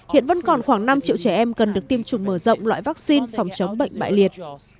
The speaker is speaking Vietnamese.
hiện vẫn còn khoảng năm triệu trẻ em cần được tiêm chủng mở rộng loại vaccine phòng chống bệnh bại liệt